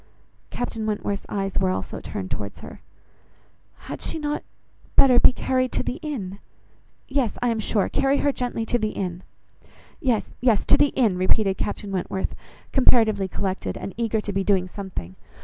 Captain Wentworth's eyes were also turned towards her. "Had not she better be carried to the inn? Yes, I am sure: carry her gently to the inn." "Yes, yes, to the inn," repeated Captain Wentworth, comparatively collected, and eager to be doing something.